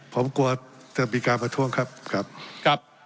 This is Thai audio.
ผมกลัวจะมีการประทวงครับ